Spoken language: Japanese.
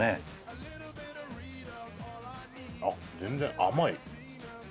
あっ全然甘い。